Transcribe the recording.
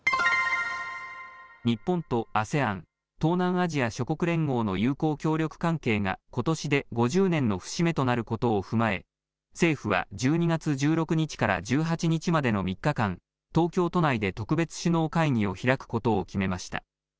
日本とＡＳＥＡＮ・東南アジア諸国連合の友好協力関係がことしで５０年の節目となることを踏まえ政府は１２月１６日から１８日までの３日間、東京都内で特別首脳会議を開くことを決めました。